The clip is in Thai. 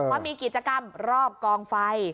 ว่ามีกิจกรรมรอบกองไฟ